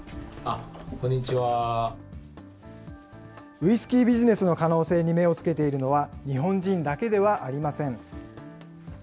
ウイスキービジネスの可能性に目をつけているのは、日本人だけではありません。